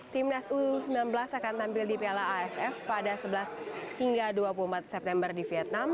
timnas u sembilan belas akan tampil di piala aff pada sebelas hingga dua puluh empat september di vietnam